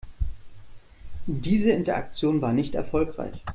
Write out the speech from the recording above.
Diese Interaktion war nicht erfolgreich.